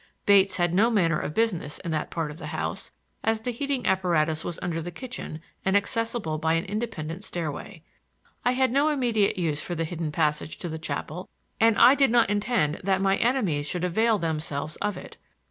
Bates had no manner of business in that part of the house, as the heating apparatus was under the kitchen and accessible by an independent stairway. I had no immediate use for the hidden passage to the chapel—and I did not intend that my enemies should avail themselves of it.